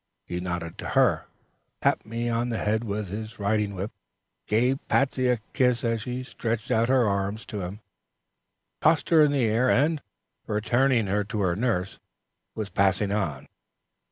He nodded to her, tapped me on the head with his riding whip, gave Patsey a kiss as she stretched out her arms to him, tossed her in the air, and, returning her to her nurse, was passing on.